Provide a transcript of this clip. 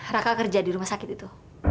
raka kerja di rumah sakit itu